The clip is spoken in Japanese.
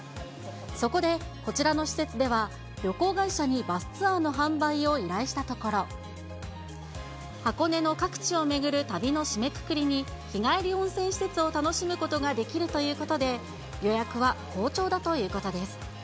そこで、こちらの施設では、旅行会社にバスツアーの販売を依頼したところ、箱根の各地を巡る旅の締めくくりに、日帰り温泉施設を楽しむことができるということで、予約は好調だということです。